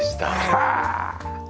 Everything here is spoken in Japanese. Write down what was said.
はあ！